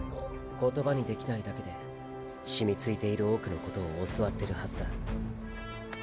言葉にできないだけで染みついている多くのことを教わってるはずだ。